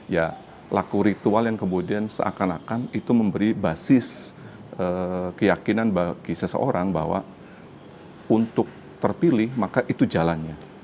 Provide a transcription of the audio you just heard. ya laku ritual yang kemudian seakan akan itu memberi basis keyakinan bagi seseorang bahwa untuk terpilih maka itu jalannya